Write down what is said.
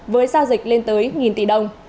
với giao dịch lên tới một tỷ đồng